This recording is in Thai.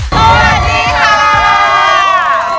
พอดีค่ะ